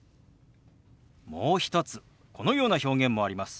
もう一つこのような表現もあります。